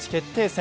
戦